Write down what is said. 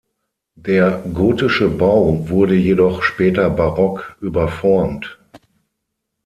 Der gotische Bau wurde jedoch später barock überformt.